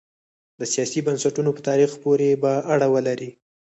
د سیاسي بنسټونو په تاریخ پورې به اړه ولري.